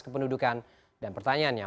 kependudukan dan pertanyaannya